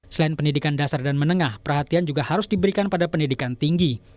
selain pendidikan dasar dan menengah perhatian juga harus diberikan pada pendidikan tinggi